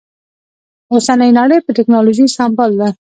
اوسنۍ نړۍ په ټکنالوژي سمبال ده